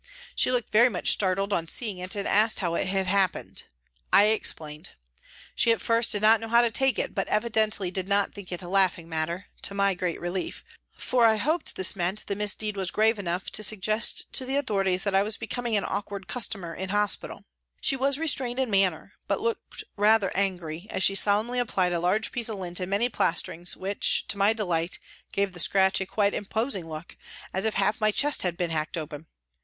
She looked very much startled on seeing it and asked how it had happened. I explained. She at first did not know how to take it, but evidently did not think it a laugh ing matter, to my great relief, for I hoped this meant the misdeed was grave enough to suggest to the authorities that I was becoming an awkward cus tomer in hospital. She was restrained in manner, but looked rather angry as she solemnly applied a large piece of lint and many plasterings which, to my delight, gave the scratch a quite imposing look, as if half my chest had been hacked open.